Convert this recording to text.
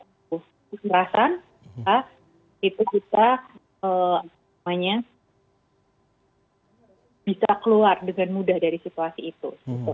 kecerdasan kita bisa keluar dengan mudah dari situasi itu